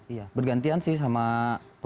iya bergantian sih